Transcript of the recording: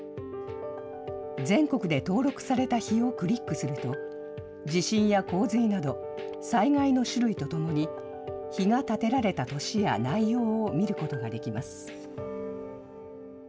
全国で登録された碑をクリックすると、地震や洪水など、災害の種類とともに碑が建てられた年や内容を見ることができます。